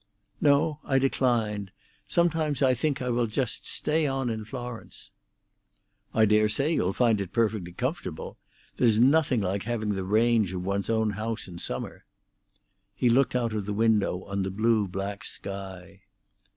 "No; I declined. Sometimes I think I will just stay on in Florence." "I dare say you'd find it perfectly comfortable. There's nothing like having the range of one's own house in summer." He looked out of the window on the blue black sky.